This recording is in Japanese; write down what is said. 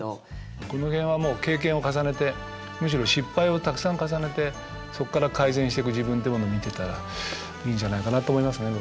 この辺はもう経験を重ねてむしろ失敗をたくさん重ねてそこから改善していく自分ってものを見ていったらいいんじゃないかなと思いますね。